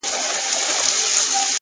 فکر روښانه وي نو پرېکړه ساده کېږي’